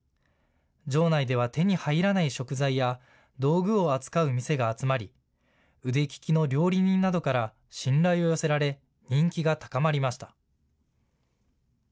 場内では手に入らない食材や道具を扱う店が集まり腕利きの料理人などから信頼を寄せられ人気が高まりました。